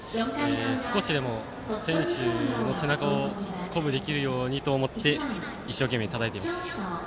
少しでも選手の背中を鼓舞できるように思って一生懸命たたいています。